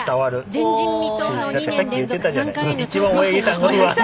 前人未到の２年連続三冠への挑戦権をとりました。